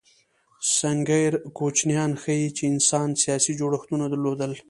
سنګیر کوچنیان ښيي، چې انسان سیاسي جوړښتونه درلودل.